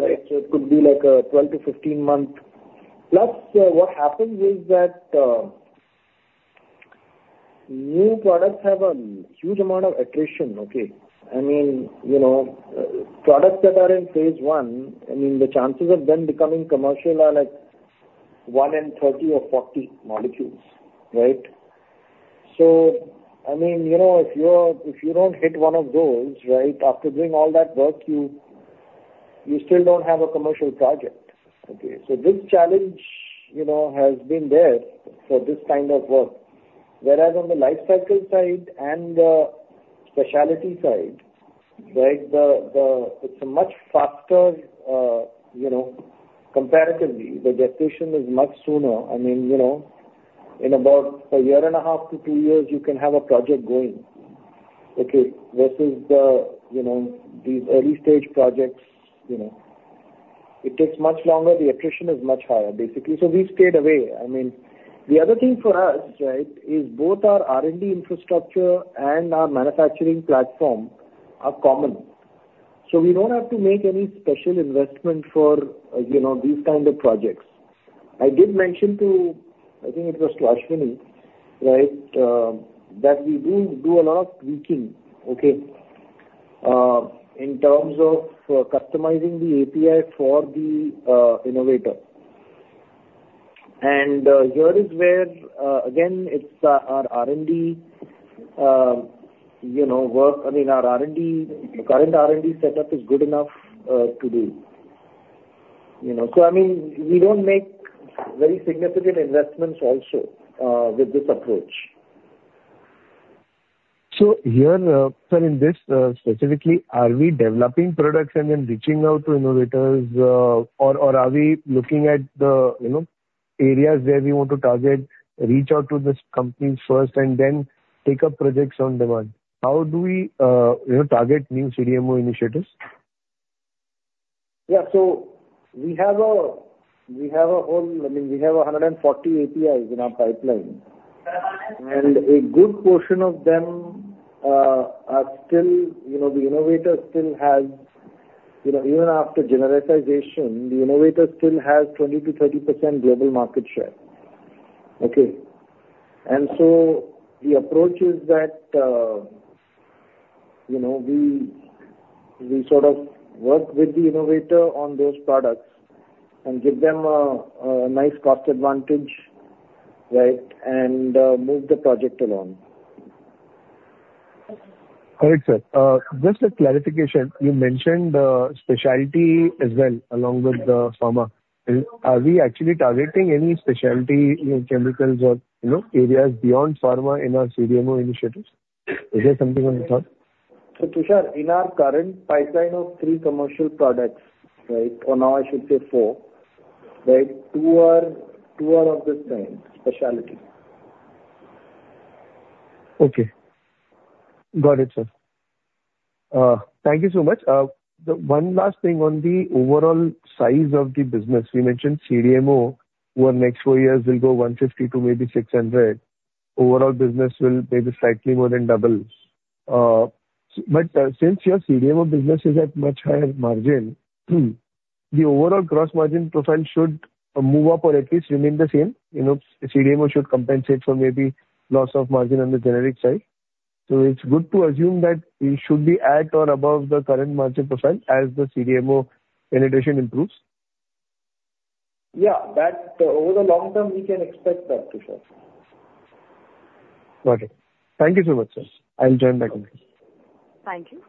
right? So it could be, like, a 12 to 15 months. Plus, what happens is that new products have a huge amount of attrition, okay? I mean, you know, products that are in phase one, I mean, the chances of them becoming commercial are, like, 1 in 30 or 40 molecules, right? So, I mean, you know, if you don't hit one of those, right, after doing all that work, you still don't have a commercial project. Okay? So this challenge, you know, has been there for this kind of work. Whereas on the life cycle side and the specialty side, right, the, it's a much faster, you know, comparatively, the gestation is much sooner. I mean, you know, in about a year and a half to 2 years, you can have a project going, okay? Versus the, you know, these early-stage projects, you know, it takes much longer, the attrition is much higher, basically. So we've stayed away. I mean, the other thing for us, right, is both our R&D infrastructure and our manufacturing platform are common, so we don't have to make any special investment for, you know, these kind of projects. I did mention to, I think it was Ashwini, right, that we do do a lot of tweaking, okay, in terms of, customizing the API for the, innovator. And, here is where, again, it's our R&D, you know, work. I mean, our R&D, current R&D setup is good enough, to do. You know, so, I mean, we don't make very significant investments also, with this approach. So here, sir, in this, specifically, are we developing products and then reaching out to innovators, or, or are we looking at the, you know, areas where we want to target, reach out to these companies first and then take up projects on demand? How do we, you know, target new CDMO initiatives? Yeah. So we have a whole, I mean, we have 140 APIs in our pipeline. And a good portion of them are still, you know, the innovator still has... You know, even after genericization, the innovator still has 20% to 30% global market share. Okay? And so the approach is that, you know, we sort of work with the innovator on those products and give them a nice cost advantage, right, and move the project along. All right, sir. Just a clarification. You mentioned specialty as well, along with the pharma. Are we actually targeting any specialty in chemicals or, you know, areas beyond pharma in our CDMO initiatives? Is there something on the top? So, Tushar, in our current pipeline of three commercial products, right, or now I should say four, right, two are of the same specialty. Okay. Got it, sir. Thank you so much. The one last thing on the overall size of the business. You mentioned CDMO, over the next four years will go 150 to maybe 600. Overall business will maybe slightly more than double. But since your CDMO business is at much higher margin, the overall gross margin profile should move up or at least remain the same. You know, CDMO should compensate for maybe loss of margin on the generic side. So it's good to assume that we should be at or above the current margin profile as the CDMO penetration improves? Yeah, that over the long term, we can expect that for sure. Got it. Thank you so much, sir. I'll join back again. Thank you.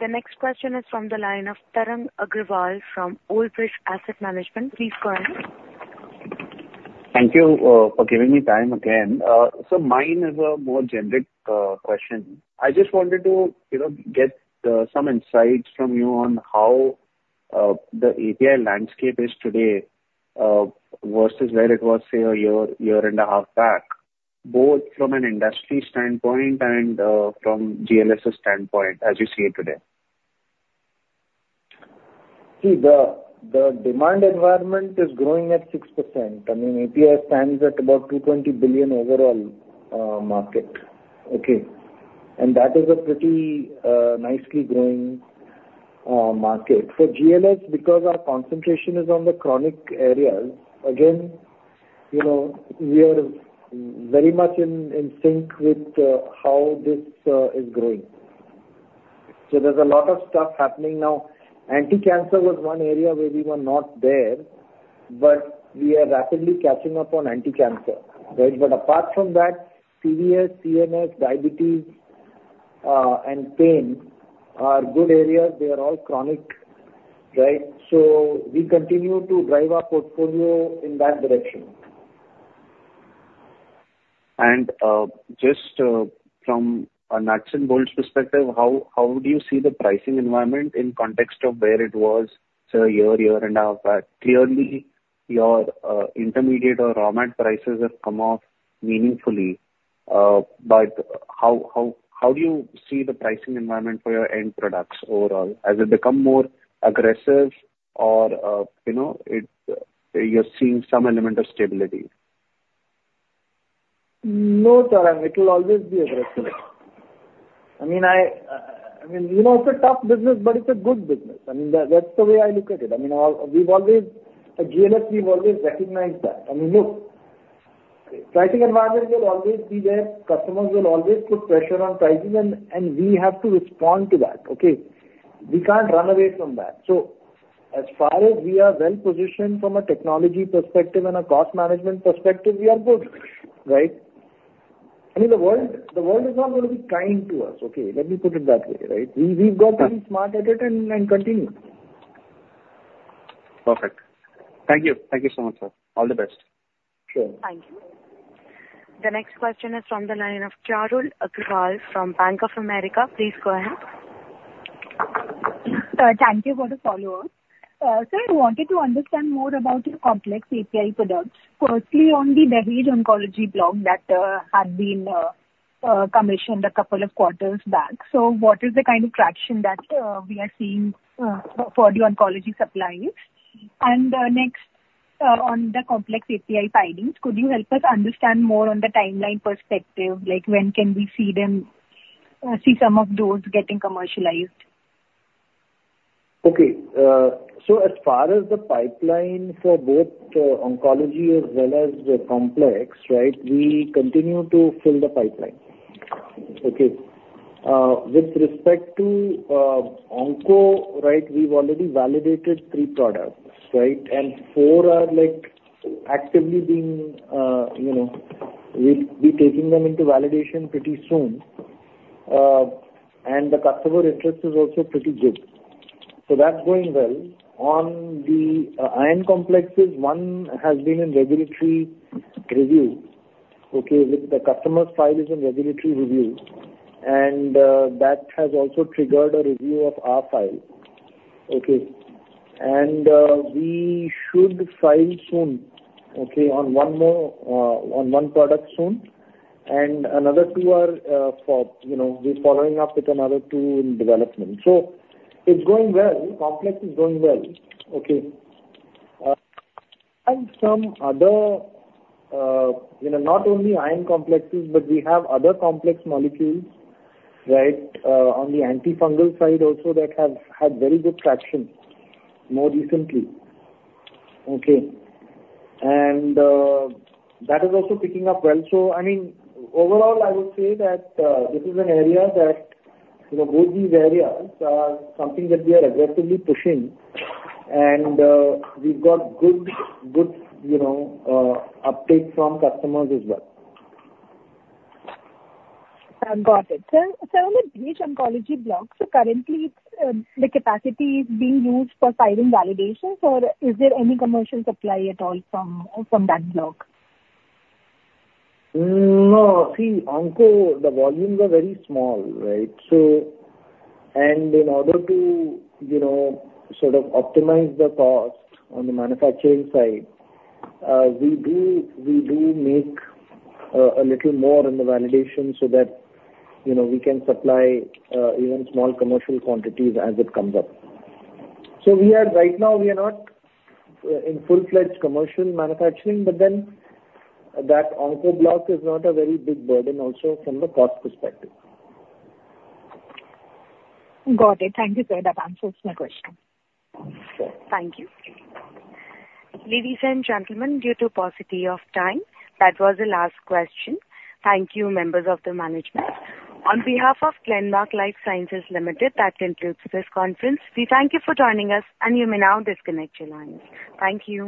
The next question is from the line of Tarang Agrawal from Old Bridge Asset Management. Please go ahead. Thank you for giving me time again. So mine is a more generic question. I just wanted to, you know, get some insights from you on how the API landscape is today versus where it was, say, a year, year and a half back, both from an industry standpoint and from GLS's standpoint, as you see it today. See, the demand environment is growing at 6%. I mean, API stands at about $220 billion overall market. Okay? And that is a pretty nicely growing market. For GLS, because our concentration is on the chronic areas, again, you know, we are very much in sync with how this is growing. So there's a lot of stuff happening now. Anti-cancer was one area where we were not there, but we are rapidly catching up on anti-cancer, right? But apart from that, CVS, CNS, diabetes and pain are good areas. They are all chronic, right? So we continue to drive our portfolio in that direction. And, just, from a nuts and bolts perspective, how do you see the pricing environment in context of where it was, say, a year, year and a half back? Clearly, your intermediate or raw material prices have come off meaningfully, but how do you see the pricing environment for your end products overall? Has it become more aggressive or, you know, you're seeing some element of stability? No, Tarang, it will always be aggressive. I mean, you know, it's a tough business, but it's a good business. I mean, that's the way I look at it. I mean, we've always, at GLS, we've always recognized that. I mean, look, pricing environment will always be there, customers will always put pressure on pricing, and we have to respond to that, okay? We can't run away from that. So as far as we are well-positioned from a technology perspective and a cost management perspective, we are good, right? I mean, the world is not going to be kind to us, okay? Let me put it that way, right? We've got to be smart at it and continue. Perfect. Thank you. Thank you so much, sir. All the best. Sure. Thank you. The next question is from the line of Charul Agrawal from Bank of America. Please go ahead. Thank you for the follow-up. So I wanted to understand more about your complex API products. Firstly, on the Dahej Oncology block that had been commissioned a couple of quarters back. So what is the kind of traction that we are seeing for the oncology supplies? And next, on the complex API filings, could you help us understand more on the timeline perspective, like when can we see them see some of those getting commercialized? Okay. So as far as the pipeline for both, oncology as well as the complex, right, we continue to fill the pipeline. Okay. With respect to, onco, right, we've already validated 3 products, right? And 4 are, like, actively being, you know, we'll be taking them into validation pretty soon. And the customer interest is also pretty good. So that's going well. On the, iron complexes, 1 has been in regulatory review, okay? With the customer's file is in regulatory review, and, that has also triggered a review of our file. Okay. And, we should file soon, okay, on 1 more, on 1 product soon, and another 2 are, for, you know, we're following up with another 2 in development. So it's going well. Complex is going well. Okay. And some other, you know, not only iron complexes, but we have other complex molecules, right, on the antifungal side also that have had very good traction more recently. Okay. And, that is also picking up well. So I mean, overall, I would say that, this is an area that, you know, both these areas are something that we are aggressively pushing, and, we've got good, good, you know, updates from customers as well. I've got it. So on the Dahej Oncology block, currently, the capacity is being used for filing validations, or is there any commercial supply at all from that block? No. See, onco, the volumes are very small, right? So, in order to, you know, sort of optimize the cost on the manufacturing side, we do, we do make a little more on the validation so that, you know, we can supply even small commercial quantities as it comes up. So, right now, we are not in full-fledged commercial manufacturing, but then that onco block is not a very big burden also from the cost perspective. Got it. Thank you, sir. That answers my question. Okay. Thank you. Ladies and gentlemen, due to paucity of time, that was the last question. Thank you, members of the management. On behalf of Glenmark Life Sciences Limited, that concludes this conference. We thank you for joining us, and you may now disconnect your lines. Thank you.